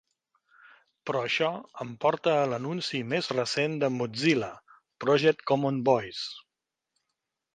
Però això em porta a l'anunci més recent de Mozilla: Project Common Voice.